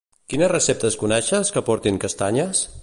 Quines receptes coneixes que portin castanyes?